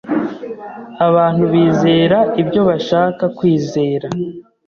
Abantu bizera ibyo bashaka kwizera.